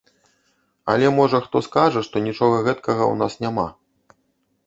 Але можа хто скажа, што нічога гэтакага ў нас няма?